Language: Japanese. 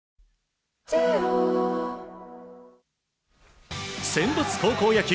新発売センバツ高校野球。